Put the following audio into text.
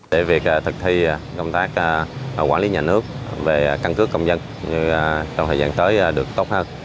để việc thực thi công tác quản lý nhà nước về căn cước công dân trong thời gian tới được tốt hơn